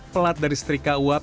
pelat dari setrika uap